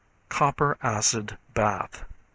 Copper, Acid Bath. 5.